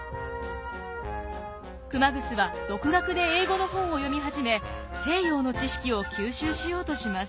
熊楠は独学で英語の本を読み始め西洋の知識を吸収しようとします。